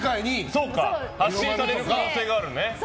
発信される可能性があるね。